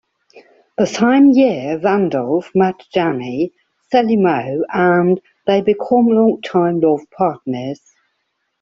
The same year, Vandolph met Jenny Salimao and they become longtime love partners.